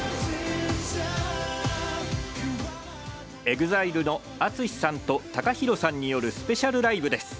ＥＸＩＬＥのＡＴＳＵＳＨＩさんとＴＡＫＡＨＩＲＯさんによるスペシャルライブです。